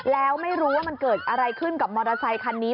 แล้วไม่รู้ว่ามันเกิดอะไรขึ้นกับมอเตอร์ไซคันนี้